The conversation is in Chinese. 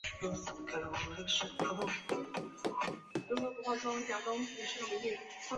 灵斯泰兹是丹麦西兰大区的一座城市。